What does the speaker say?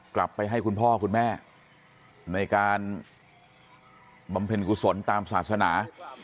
กลับไปให้คุณพ่อคุณแม่ในการบำเพ็ญกุศลตามศาสนา